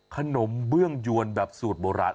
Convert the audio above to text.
เบื้องยวนแบบสูตรโบราณ